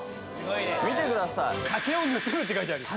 見てください・酒を盗むって書いてあるよ